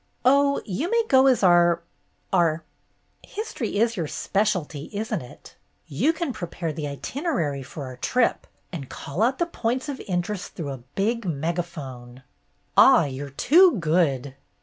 "Oh, you may go as our — our — History is your specialty, is n't it ? You can prepare the itinerary for our trip, and call out the points of interest through a big megaphone." A CITY HISTORY CLUB 185 "Ah, you Ye too good!